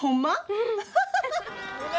うん！